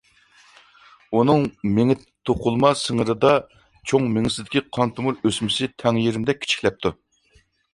ئۇنىڭ مېڭە توقۇلما سىڭىرىدا چوڭ مېڭىسىدىكى قان تومۇر ئۆسمىسى تەڭ يېرىمدەك كىچىكلەپتۇ.